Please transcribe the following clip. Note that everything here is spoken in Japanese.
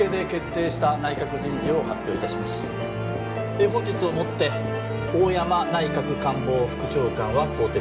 えぇ本日をもって大山内閣官房副長官は更迭。